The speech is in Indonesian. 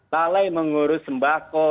lalai mengurus sembako